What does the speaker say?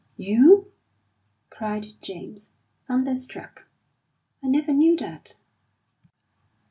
"You!" cried James, thunderstruck. "I never knew that."